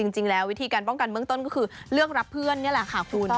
จริงแล้ววิธีการป้องกันเบื้องต้นก็คือเลือกรับเพื่อนนี่แหละค่ะคุณ